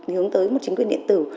hướng tới một chính quyền điện tử